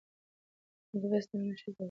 د ملي بس دننه ښځې ولاړې دي.